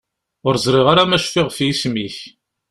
Ur ẓriɣ ara ma cfiɣ ɣef yisem-ik.